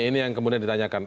ini yang kemudian ditanyakan